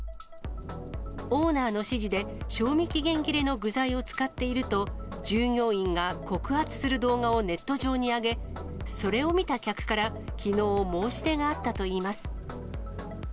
オーナーの指示で賞味期限切れの具材を使っていると、従業員が告発する動画をネット上に上げ、それを見た客から、きのう、申し出があったといいます。